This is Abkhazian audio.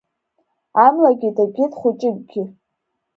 Амлагьы дакит хәыҷыкгьы.